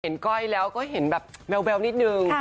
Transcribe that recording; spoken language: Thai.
เห็นก้อยเล้วก็เห็นแบบแม๊วนิดนึง